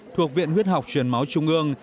thuộc viện huyết học truyền máu trung ương